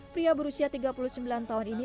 pria berusia tiga puluh sembilan tahun ini